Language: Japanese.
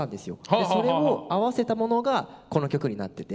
それを合わせたものがこの曲になってて。